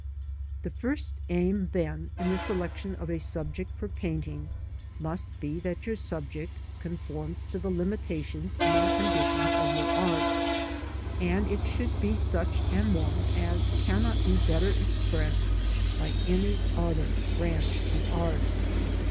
The first aim, then, in the selection of a subject for painting | must be that your subject conforms to the limitations and con ditions of your art, and it should be such an one as cannot be better expressed by any other branch of art.